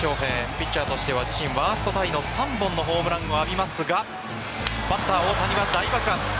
ピッチャーとしては自身ワーストタイの３本のホームランを浴びますがバッター・大谷は大爆発。